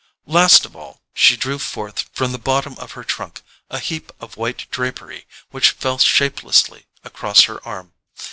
Last of all, she drew forth from the bottom of her trunk a heap of white drapery which fell shapelessly across her arm.